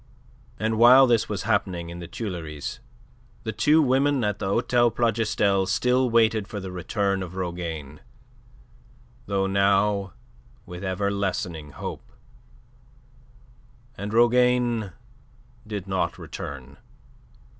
And while this was happening in the Tuileries, the two women at the Hotel Plougastel still waited for the return of Rougane, though now with ever lessening hope. And Rougane did not return.